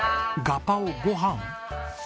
ガパオごはん！？